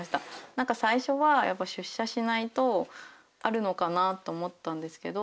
何か最初はやっぱ出社しないとあるのかなと思ったんですけど